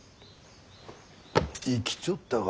生きちょったか！